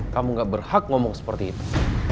kamu gak berhak ngomong seperti itu